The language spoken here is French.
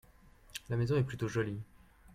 La maison est plutôt jolie.